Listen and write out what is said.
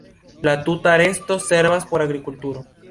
La tuta resto servas por agrikulturo.